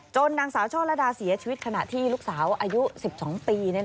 นางสาวช่อระดาเสียชีวิตขณะที่ลูกสาวอายุ๑๒ปี